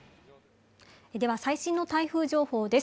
最新の台風情報です。